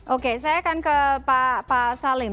oke saya akan ke pak salim